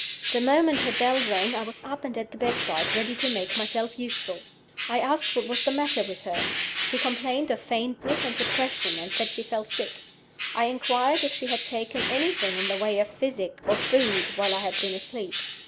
"The moment her bell rang I was up and at the bedside, ready to make myself useful. "I asked what was the matter with her. She complained of faintness and depression, and said she felt sick. I inquired if she had taken anything in the way of physic or food while I had been asleep.